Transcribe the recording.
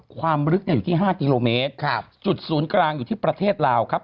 ความลึกอยู่ที่๕กิโลเมตรจุดศูนย์กลางอยู่ที่ประเทศลาวครับ